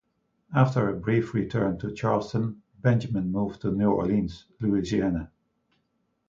After a brief return to Charleston, Benjamin moved to New Orleans, Louisiana.